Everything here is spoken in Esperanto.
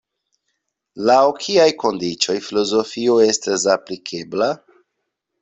Laŭ kiaj kondiĉoj filozofio estas aplikebla?